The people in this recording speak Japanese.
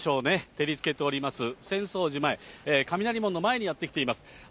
照りつけております、浅草寺前、雷門の前にやって来ています。